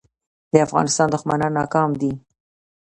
د افغانستان دښمنان ناکام دي